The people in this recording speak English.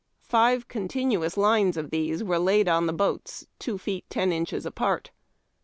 Five continnons lines of these were hiid on the boats two feet ten inches apart.